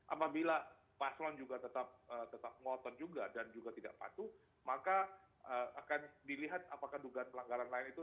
apabila paslon juga tetap ngotot juga dan juga tidak patuh maka akan dilihat apakah dugaan pelanggaran lain itu